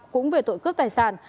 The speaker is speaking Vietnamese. cũng về tội cướp tài sản